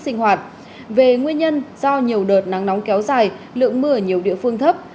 nguyên nhân do nhiều đợt nắng nóng kéo dài lượng mưa ở nhiều địa phương thấp